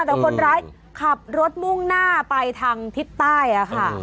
แต่คนร้ายขับรถมุ่งหน้าไปทางทิศใต้ค่ะ